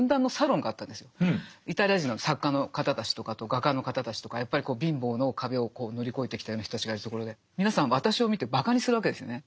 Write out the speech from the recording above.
イタリア人の作家の方たちとかあと画家の方たちとかやっぱり貧乏の壁を乗り越えてきたような人たちがいるところで皆さん私を見てばかにするわけですよね。